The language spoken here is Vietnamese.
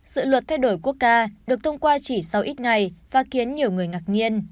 sự luật thay đổi quốc ca được thông qua chỉ sau ít ngày và khiến nhiều người ngạc nhiên